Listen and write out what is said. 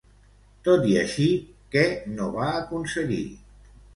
Tot i així, què no va aconseguir?